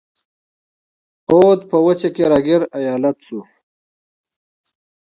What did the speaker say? اَوَد په وچه کې را ګیر ایالت شو.